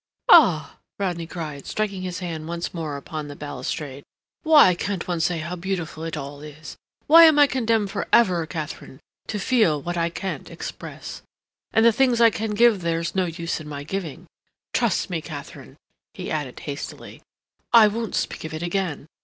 "Ah!" Rodney cried, striking his hand once more upon the balustrade, "why can't one say how beautiful it all is? Why am I condemned for ever, Katharine, to feel what I can't express? And the things I can give there's no use in my giving. Trust me, Katharine," he added hastily, "I won't speak of it again.